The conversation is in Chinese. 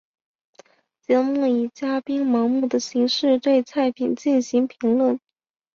节目以嘉宾盲品的形式对菜品进行评论。